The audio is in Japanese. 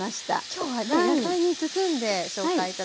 今日は野菜に包んで紹介頂きますよ。